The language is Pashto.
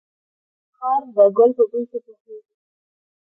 خر ده ګل په بوی څه پوهيږي.